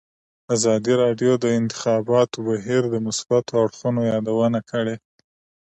ازادي راډیو د د انتخاباتو بهیر د مثبتو اړخونو یادونه کړې.